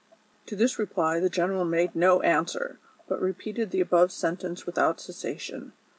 To this reply the general made no answer, but repeated the above sentence without cessation.